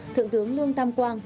thượng tướng lương tam quang